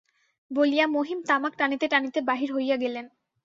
বলিয়া মহিম তামাক টানিতে টানিতে বাহির হইয়া গেলেন।